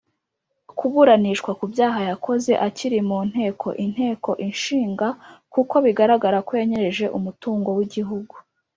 kuburanishwa ku byaha yakoze akiri mu nteko Inteko Ishinga kuko bigaragara ko yanyereje umutungo w’igihugu.